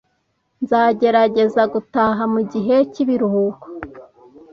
Nzagerageza gutaha mugihe cyibiruhuko.